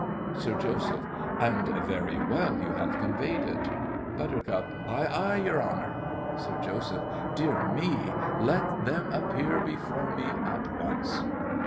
SIR JOSEPH. And very well you have conveyed it. BUT. Aye! aye! yer 'onour. SIR JOSEPH. Dear me! Let them appear before me, at once!